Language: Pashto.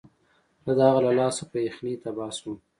زه د هغه له لاسه په یخنۍ تباه شوم